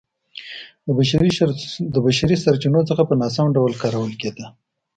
د بشري سرچینو څخه په ناسم ډول کارول کېده